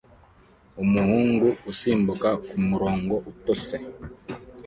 Umuhungu usimbuka kumurongo utose